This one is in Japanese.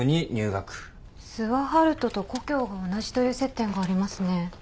諏訪遙人と故郷が同じという接点がありますね。